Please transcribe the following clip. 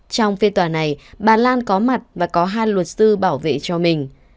trong phiên tòa này bà lan có mặt và có hai luật sư bảo vệ cho mình